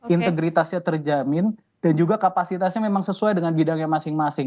integritasnya terjamin dan juga kapasitasnya memang sesuai dengan bidangnya masing masing